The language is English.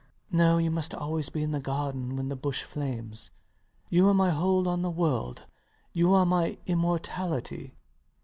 No: you must always be in the garden when the bush flames. You are my hold on the world: you are my immortality.